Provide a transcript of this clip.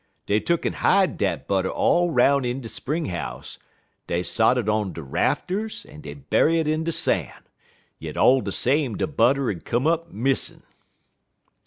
Dey tuck'n hide dat butter all 'roun' in de spring house; dey sot it on de rafters, en dey bury it in de san'; yit all de same de butter 'ud come up missin'.